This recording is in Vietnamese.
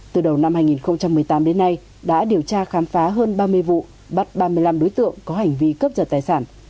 từ đầu năm hai nghìn một mươi tám đến nay đã điều tra khám phá hơn ba mươi vụ bắt ba mươi năm đối tượng có hành vi cướp giật tài sản